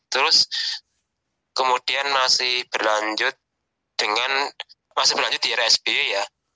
terus kemudian masih berlanjut dengan masih berlanjut di rsb ya